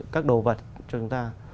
các đồ vật cho chúng ta